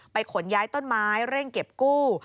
ขนย้ายต้นไม้เร่งเก็บกู้